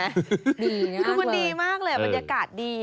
คือมันดีมากเลยบรรยากาศดี